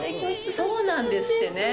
そうなんですってね。